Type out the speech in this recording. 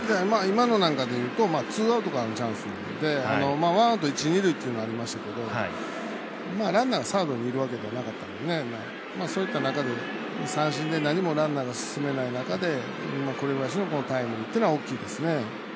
今のなんかで言うとツーアウトからのチャンスなのでワンアウト一塁、二塁ってなりましたけどランナーがサードにいるわけではなかったのでそういった中で三振で何もランナーが進めない中で紅林のタイムリーというのは大きいですね。